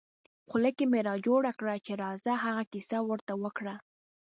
خوله کې مې را جوړه کړه چې راځه هغه کیسه ور ته وکړه.